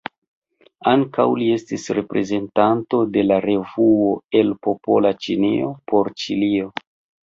Ankaŭ li estis reprezentanto de la revuo El Popola Ĉinio por Ĉilio.